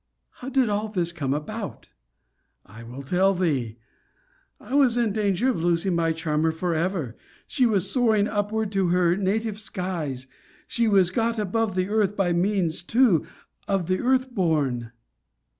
How did all this come about? I will tell thee I was in danger of losing my charmer for ever! She was soaring upward to her native skies! She was got above earth, by means too, of the earth born!